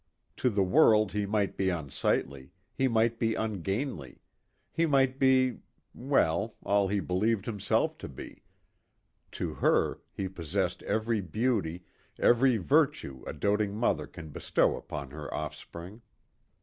To the world he might be unsightly, he might be ungainly, he might be well, all he believed himself to be; to her he possessed every beauty, every virtue a doting mother can bestow upon her offspring.